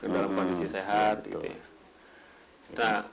dalam kondisi sehat gitu ya